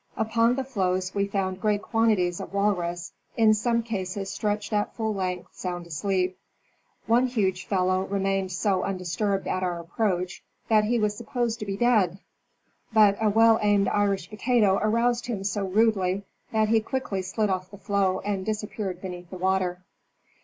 Upon the floes we found great quantities of walrus, in some cases stretched at full length, sound asleep. One huge fellow remained so undis turbed at our approach that he was supposed to be dead, but a well aimed Irish potato aroused him so rudely that he quickly slid off the floe and disappeared beneath the water.